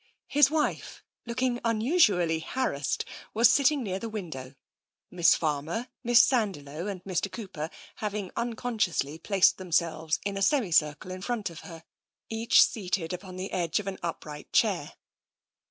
His wife, looking unusually harassed, was seated near the window. Miss Farmer, Miss Sandiloe and Mr. Cooper having unconsciously placed themselves in a semi circle in front of her, each seated upon the edge of an upright chair.